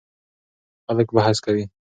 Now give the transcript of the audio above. خلک بحث کوي.